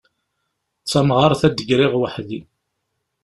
D tamɣart a d-griɣ weḥd-i.